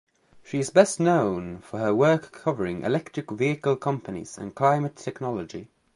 She is best known for her work covering electric vehicle companies and climate technology.